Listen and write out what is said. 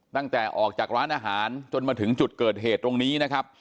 ตั้งแต่ออกจากร้านอาหารจนมาถึงจุดเกิดเหตุตรงนี้นะครับ